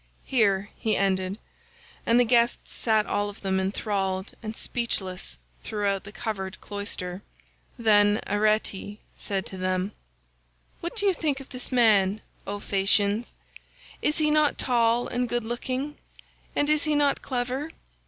Here he ended, and the guests sat all of them enthralled and speechless throughout the covered cloister. Then Arete said to them:— "What do you think of this man, O Phaeacians? Is he not tall and good looking, and is he not clever?